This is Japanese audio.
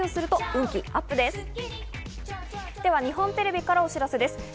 では、日本テレビからお知らせです。